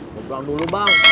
mau pulang dulu bang